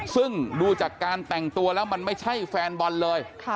ซึ่งดูจากการแต่งตัวแล้วมันไม่ใช่แฟนบอลเลย